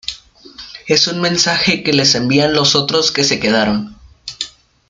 Es un mensaje que les envían los otros que se quedaron.